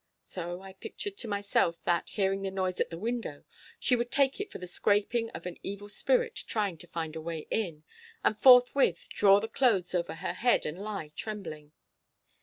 So I pictured to myself that, hearing the noise at the window, she would take it for the scraping of an evil spirit trying to find a way in, and forthwith draw the clothes over her head and lie trembling.